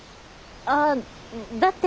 あっだって。